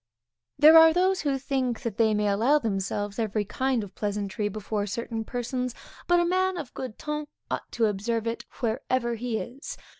There are those who think that they may allow themselves every kind of pleasantry before certain persons; but a man of good ton ought to observe it wherever he is.